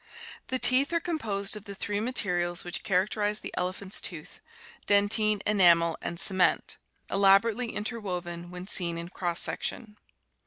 The teeth are com posed of the three materials which char acterize the elephant's tooth — dentine, enamel, and cement — elaborately inter woven when seen in cross section.